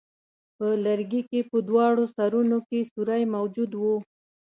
په لرګي کې په دواړو سرونو کې سوری موجود وو.